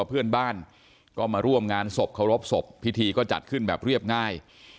เพื่อนบ้านก็มาร่วมงานศพเคารพศพพิธีก็จัดขึ้นแบบเรียบง่าย